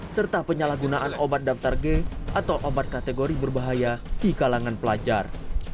serta penyalahgunaan obat daftar g atau obat kategori berbahaya di kalangan pelajar